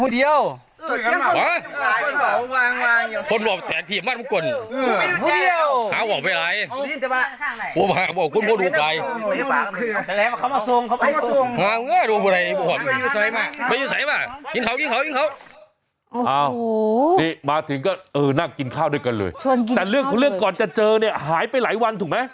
ด้วยชวนกินเหลือกก่อนจะเจอเนี่ยหายไปหลายวันถูกไหม